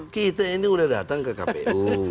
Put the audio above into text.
kita ini udah datang ke kpu